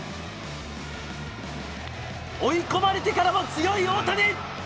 追い込まれてからも強い大谷。